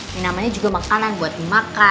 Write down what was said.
yang namanya juga makanan buat dimakan